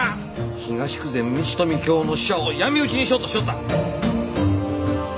東久世道禧の使者を闇討ちにしようとしよった！